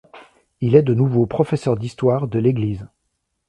Il est de nouveau professeur d'histoire de l'église.